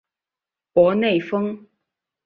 博内丰。